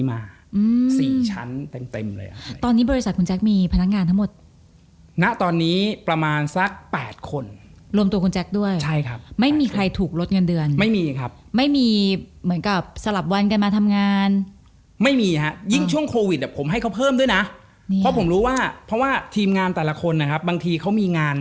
ไม่ไงของขวัญคือเดี๋ยวกูไปต่อเอง